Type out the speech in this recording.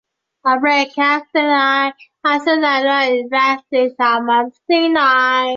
他现在效力于克罗地亚球队萨格勒布。